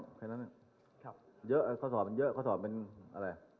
ข้อสอบมันเยอะเพราะสอบมันอะไร